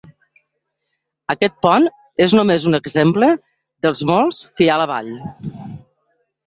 Aquest pont és només un exemple dels molts que hi ha a la vall.